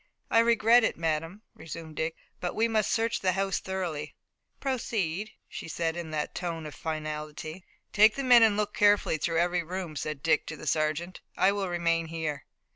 "I regret it, madame," resumed Dick, "but we must search the house thoroughly." "Proceed," she said again in that tone of finality. "Take the men and look carefully through every room," said Dick to the sergeant. "I will remain here."